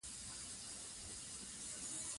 ازادي راډیو د سیاست په اړه د معارفې پروګرامونه چلولي.